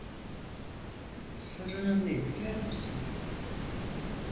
Sorunun ne biliyor musun?